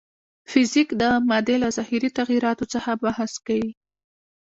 فزیک د مادې له ظاهري تغیراتو څخه بحث کوي.